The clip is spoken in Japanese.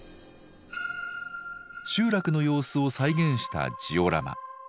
集落の様子を再現したジオラマ。